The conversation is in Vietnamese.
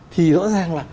thì rõ ràng là